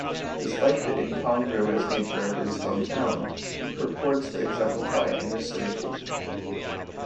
Despite the incongruous nature of his hometown, he purports to exemplify inner city culture.